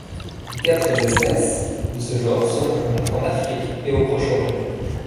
Les quatre espèces de ce genre se rencontrent en Afrique et au Proche-Orient.